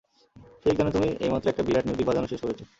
ঠিক যেন তুমি এইমাত্র একটা বিরাট মিউজিক বাজানো শেষ করেছো।